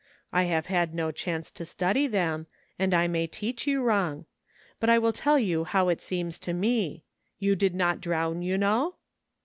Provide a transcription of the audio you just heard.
I have had no chance to study them, and I may teach you wrong; but I will tell you how it seems to me — you did not drown, you know?"